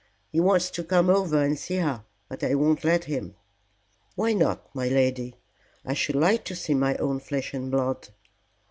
He wants to come over and see her, but I won't let him." "Why not, my lady? I should like to see my own flesh and blood."